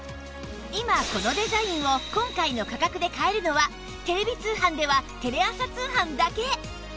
今このデザインを今回の価格で買えるのはテレビ通販ではテレ朝通販だけ！